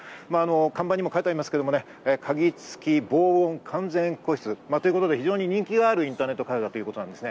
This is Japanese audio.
看板にも書いてありますが、鍵付き、防音、完全個室ということで非常に人気があるインターネットカフェだということです。